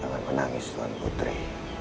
jangan menangis tuhan putri